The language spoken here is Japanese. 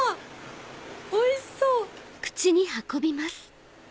おいしそう！